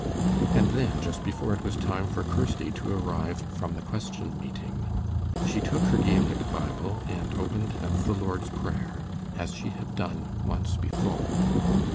And then, just before it was time for Kirsty to arrive from the "Question Meeting," she took her Gaelic Bible and opened at the Lord's Prayer, as she had done once before.